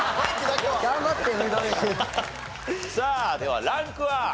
さあではランクは？